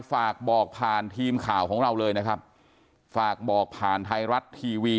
ฝากบอกผ่านทีมข่าวของเราเลยนะครับฝากบอกผ่านไทยรัฐทีวี